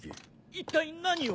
一体何を。